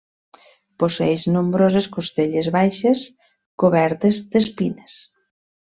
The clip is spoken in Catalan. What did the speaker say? Posseeix nombroses costelles baixes cobertes d'espines.